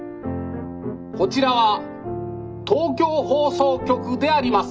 こちらは東京放送局であります」。